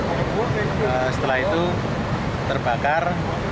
kemudian setelah itu terbakar